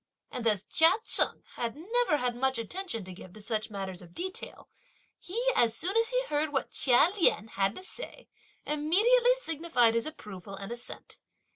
And as Chia Cheng had never had much attention to give to such matters of detail, he, as soon as he heard what Chia Lien had to say, immediately signified his approval and assent.